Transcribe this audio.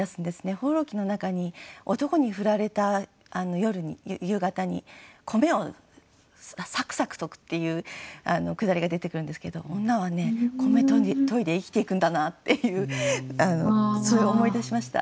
「放浪記」の中に男に振られた夕方に米をサクサクとぐっていうくだりが出てくるんですけど女は米といで生きていくんだなっていうそれを思い出しました。